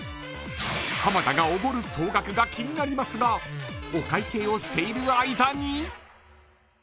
浜田がおごる総額が気になりますがお会計をしている間に。